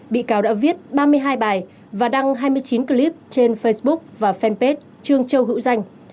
bị cáo đã viết ba mươi hai bài và đăng hai mươi chín clip trên facebook và fanpage trương châu hữu danh